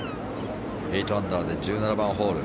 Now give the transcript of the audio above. ８アンダーで１７番ホール。